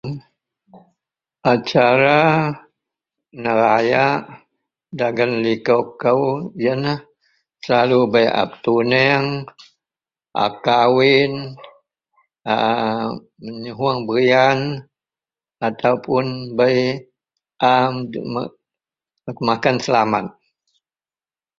Acara nerayak dagen likou kou yenlah selalu bei ..aaa.. petuneng,a kawin, menyuhuong berian ataupun bei makan selamet.